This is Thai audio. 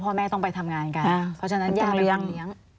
เพราะพ่อแม่ต้องไปทำงานกันเพราะฉะนั้นย่าเป็นคนเลี้ยงคนหลักเลยใช่ไหม